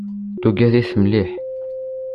Tugad-it mliḥ.